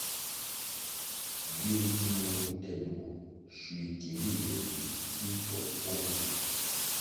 Giri giyoh nte duo, schui kiri ywe bi ki twom mfuma na?